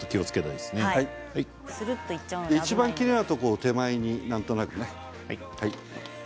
いちばんきれいなところを手前にね、なんとなくね。